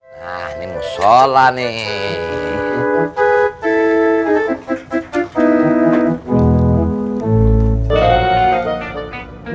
nah ini mushollah nih